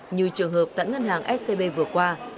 như trường hợp tại ngân hàng scb vừa qua